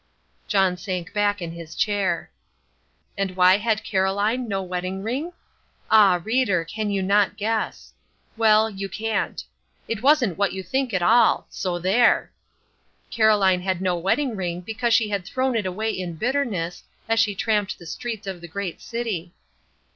'" John sank back in his chair. And why had Caroline no wedding ring? Ah, reader, can you not guess. Well, you can't. It wasn't what you think at all; so there. Caroline had no wedding ring because she had thrown it away in bitterness, as she tramped the streets of the great city.